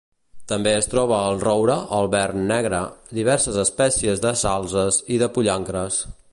També es troba el roure, el vern negre, diverses espècies de salzes i de pollancres.